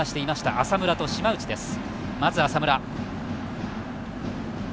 浅村と島内です。